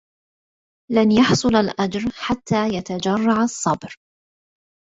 لن يحصل الأجر حتى يتجرّع الصّبر.